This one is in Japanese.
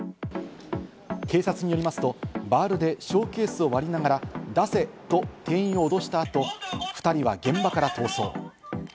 警察によりますと、バールでショーケースを割りながら、出せと店員を脅した後、２人は現場から逃走。